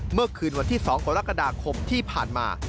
เมื่อคืนวันที่๒กรกฎาคมที่ผ่านมา